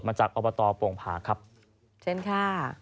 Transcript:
มาจากอบตปลงผาครับเช็นค่ะ